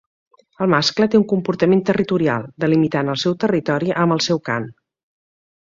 El mascle té un comportament territorial, delimitant el seu territori amb el seu cant.